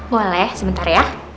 boleh sebentar ya